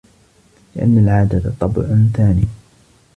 لِأَنَّ الْعَادَةَ طَبْعٌ ثَانٍ